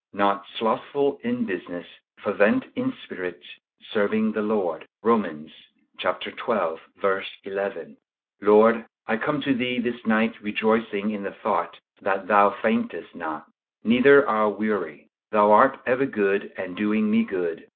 "Not slothful in business; fervent in spirit; serving the Lord." Romans xii. 11. Lord, I come to Thee this night rejoicing in the thought that Thou faintest not, neither are weary: Thou art ever good, and doing me good.